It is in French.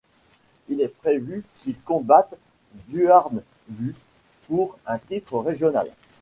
Il est prévu qu'il combatte Duarn Vue pour un titre régional.